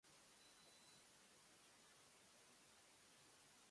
柳宗悦、夫人兼子のごとき声楽家もよくきておりました